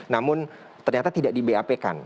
namun ternyata tidak di bap kan